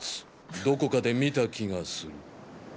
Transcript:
どこかで見た気がする。